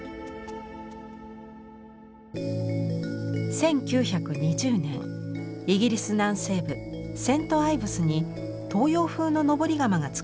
１９２０年イギリス南西部セントアイヴスに東洋風の登り窯がつくられました。